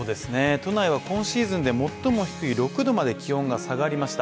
都内は今シーズンで最も低い６℃まで気温が下がりました。